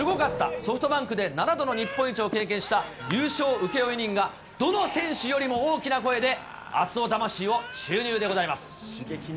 ソフトバンクで７度の日本一を経験した優勝請負人が、どの選手よりも大きな声で、刺激になりますね。